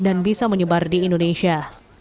dan bisa menyebar di indonesia